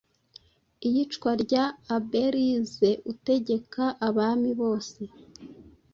Iyicwa rya AbeliSe utegeka abami bose